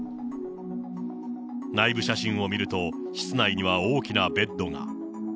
内部写真を見ると、室内には大きなベッドが。